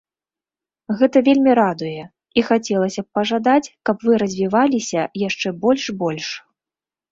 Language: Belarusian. Гэта вельмі радуе, і хацелася б пажадаць, каб вы развіваліся яшчэ больш-больш.